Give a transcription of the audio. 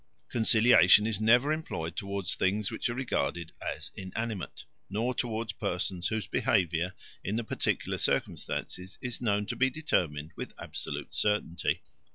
Conciliation is never employed towards things which are regarded as inanimate, nor towards persons whose behaviour in the particular circumstances is known to be determined with absolute certainty.